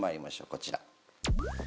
こちら。